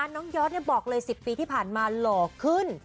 ยอดบอกเลย๑๐ปีที่ผ่านมาหล่อขึ้น